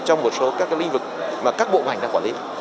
trong một số các lĩnh vực mà các bộ ngành đang quản lý